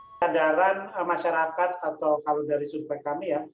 kesadaran masyarakat atau kalau dari sudut baik kami ya